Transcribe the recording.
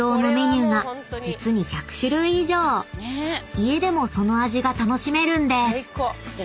［家でもその味が楽しめるんです！］